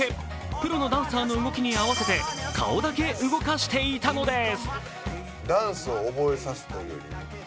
プロのダンサーの動きに合わせて顔だけ動かしていたのです。